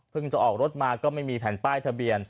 จะออกรถมาก็ไม่มีแผ่นป้ายทะเบียน